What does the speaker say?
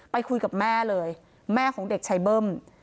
ไปคุยกับแม่เลยแม่ของเด็กชายเบิ้ม